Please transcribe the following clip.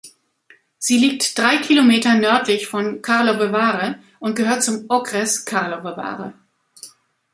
Sie liegt drei Kilometer nördlich von Karlovy Vary und gehört zum Okres Karlovy Vary.